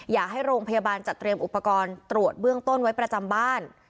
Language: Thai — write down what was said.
อยากให้โรงพยาบาลจัดเตรียมอุปกรณ์ตรวจเบื้องต้นไว้ประจำบ้าน